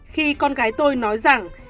khi con gái tôi nói rằng